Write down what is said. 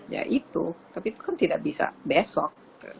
ya itu tapi itu kan tidak bisa besok